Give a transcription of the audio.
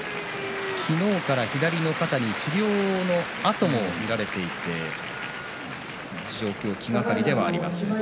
昨日から左の方に治療の痕も見られていて気がかりではあります。